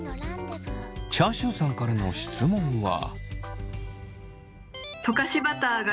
チャーシューさんからの質問は。